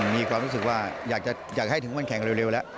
มีความรู้สึกว่าอยากให้ถึงมันแข่งเร็วแล้ว